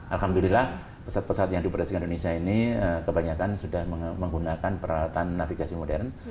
alhamdulillah pesawat pesawat yang dioperasikan indonesia ini kebanyakan sudah menggunakan peralatan navigasi modern